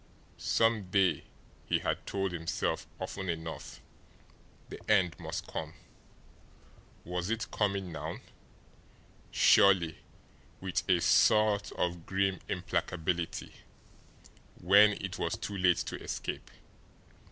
Some day, he had told himself often enough, the end must come. Was it coming now, surely, with a sort of grim implacability when it was too late to escape!